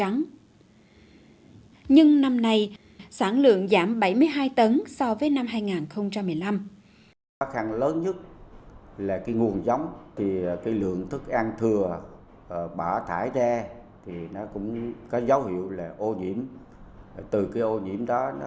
nhưng năm nay sản lượng giảm bảy mươi hai tấn so với năm hai nghìn một mươi năm